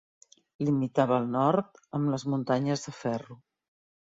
Limitava al nord amb les Muntanyes de Ferro.